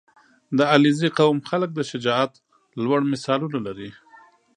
• د علیزي قوم خلک د شجاعت لوړ مثالونه لري.